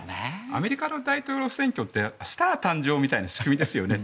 アメリカの大統領選挙ってスター誕生みたいな仕組みですよね。